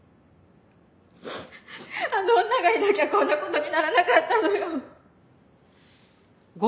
あの女がいなきゃこんな事にならなかったのよ！